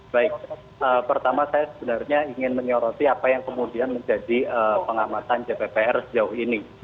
baik pertama saya sebenarnya ingin menyoroti apa yang kemudian menjadi pengamatan jppr sejauh ini